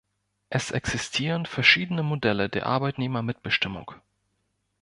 Es existieren verschiedene Modelle der Arbeitnehmermitbestimmung.